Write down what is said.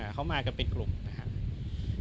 เขามากันเป็นกลุ่มนะครับ